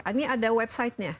ini ada website nya